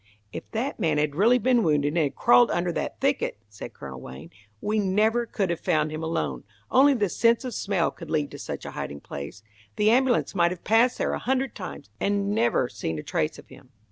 "If that man had really been wounded, and had crawled under that thicket," said Colonel Wayne, "we never could have found him alone. Only the sense of smell could lead to such a hiding place. The ambulance might have passed there a hundred times and never seen a trace of him."